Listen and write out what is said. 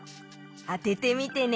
あててみてね。